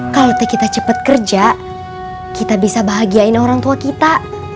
kalau kita cepat kerja kita bisa bahagiain orang tua kita